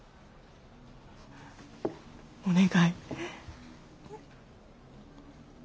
お願い。